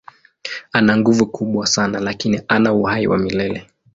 Ana nguvu kubwa sana lakini hana uhai wa milele.